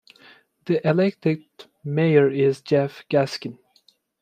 The elected mayor is Jeff Gaskin.